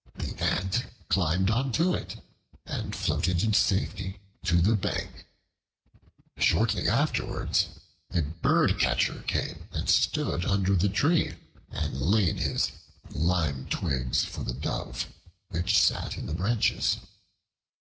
The Ant climbed onto it and floated in safety to the bank. Shortly afterwards a birdcatcher came and stood under the tree, and laid his lime twigs for the Dove, which sat in the branches.